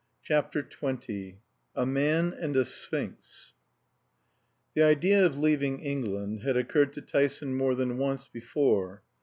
CHAPTER XX A MAN AND A SPHINX The idea of leaving England had occurred to Tyson more than once before.